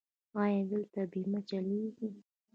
ایا دلته بیمه چلیږي؟